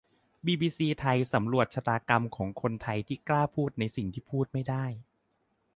บีบีซีไทยสำรวจชะตากรรมของคนไทยที่กล้าพูดในสิ่งที่พูดไม่ได้